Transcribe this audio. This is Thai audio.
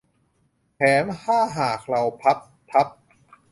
แถมถ้าหากเราพับทับ